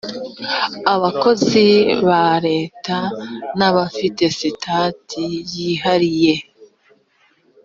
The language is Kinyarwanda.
abakozi ba leta n’abafite sitati yihariye